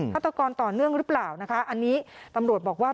ฆาตกรต่อเนื่องหรือเปล่านะคะอันนี้ตำรวจบอกว่า